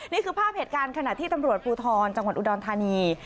นี่คือภาพเหตุการณ์ขณะที่ตำรวจภูทรจังหวัดอุดรธานี